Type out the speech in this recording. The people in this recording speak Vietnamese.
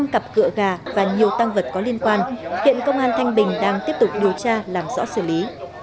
năm cặp cựa gà và nhiều tăng vật có liên quan hiện công an thanh bình đang tiếp tục điều tra làm rõ xử lý